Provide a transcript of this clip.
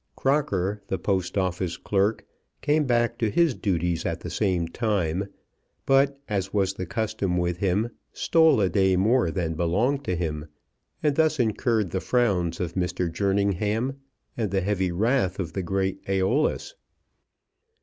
Crocker, the Post Office clerk, came back to his duties at the same time, but, as was the custom with him, stole a day more than belonged to him, and thus incurred the frowns of Mr. Jerningham and the heavy wrath of the great Æolus.